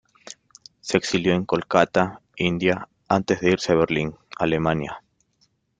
Se exilió en Kolkata, India antes de irse a Berlín, Alemania.